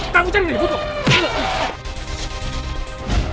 kamu jadi ribut